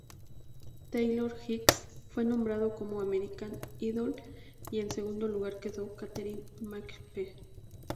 Taylor Hicks fue nombrado como "American Idol", y en segundo lugar quedó Katharine McPhee.